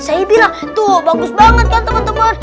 saya bilang tuh bagus banget kan teman teman